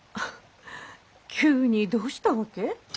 急にどうしたわけ？